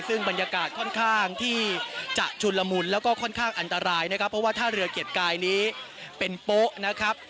ซึ่งบรรยากาศค่อนข้างที่จะชุนละมุนแล้วก็ค่อนข้างอันตรายนะครับเพราะว่าท่าเรือเกียรติกายนี้เป็นโป๊ะนะครับ